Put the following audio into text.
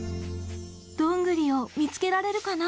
どんぐりを見つけられるかな？